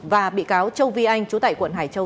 và bị cáo châu vi anh trú tại quận hải châu